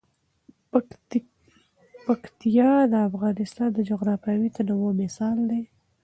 پکتیا د افغانستان د جغرافیوي تنوع مثال دی.